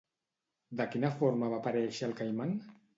De quina forma va aparèixer el Caiman?